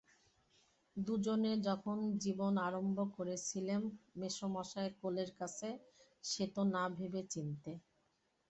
দুজনে যখন জীবন আরম্ভ করেছিলেম মেসোমশায়ের কোলের কাছে, সে তো না ভেবে চিন্তে।